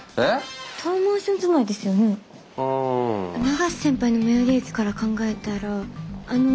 永瀬先輩の最寄り駅から考えたらあの。